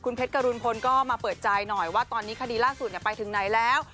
เพชรกรุณพลก็มาเปิดใจหน่อยว่าตอนนี้คดีล่าสุดไปถึงไหนแล้ว